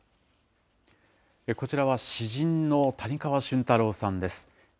こちらは詩人の谷川俊太郎さんです。